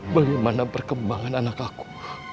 bagaimana perkembangan anak aku